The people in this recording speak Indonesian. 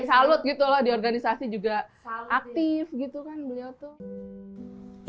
disalut gitu loh di organisasi juga aktif gitu kan beliau tuh